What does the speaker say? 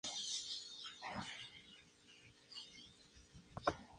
En el distrito homónimo existe una "freguesia" con el nombre de Cabanas de Viriato.